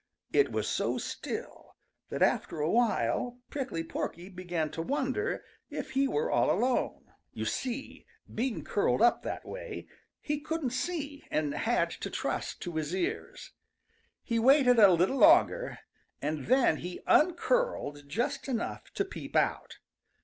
It was so still that after a while Prickly Porky began to wonder if he were all alone. You see, being curled up that way, he couldn't see and had to trust to his ears. He waited a little longer, and then he uncurled just enough to peep out.